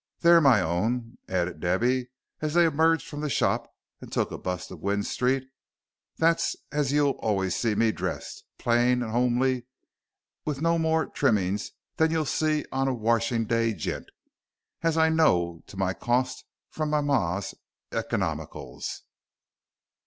There, my own," added Debby, as they emerged from the shop and took a 'bus to Gwynne Street, "that's as you'll allways see me dressed plain and 'omely, with no more trimmings than you'll see on a washing day jint, as I know to my cost from my mar's ecomicals."